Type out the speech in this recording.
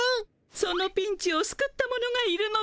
そのピンチをすくった者がいるのですわ。